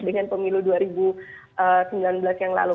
dengan pemilu dua ribu sembilan belas yang lalu